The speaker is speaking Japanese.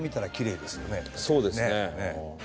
そうですね。